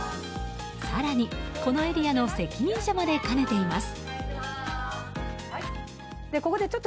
更に、このエリアの責任者まで兼ねています。